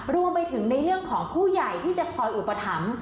รวมไปถึงในเรื่องของผู้ใหญ่ที่จะคอยอุปถัมภ์